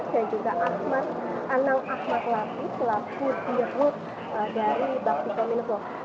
dan juga anang ahmad latif selaku dirut dari bakhti komineko